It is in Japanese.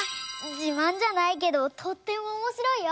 じまんじゃないけどとってもおもしろいよ！